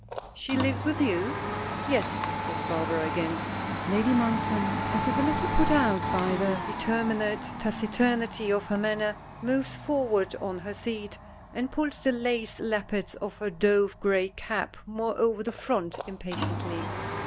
"She lives with you?" "Yes," says Barbara again. Lady Monkton, as if a little put out by the determined taciturnity of her manner, moves forward on her seat, and pulls the lace lappets of her dove gray cap more over to the front impatiently.